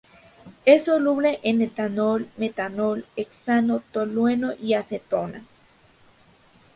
Es soluble en etanol, metanol, hexano, tolueno y acetona.